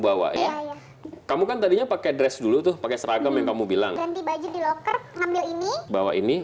bawa ya kamu kan tadinya pakai dress dulu tuh pakai seragam yang kamu bilang bawa ini